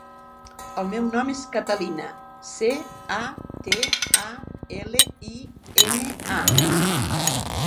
El meu nom és Catalina: ce, a, te, a, ela, i, ena, a.